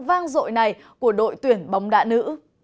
vang dội này của đội tuyển bóng đá nữ